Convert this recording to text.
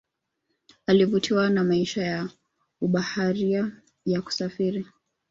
Alivutiwa na maisha ya ubaharia ya kusafiri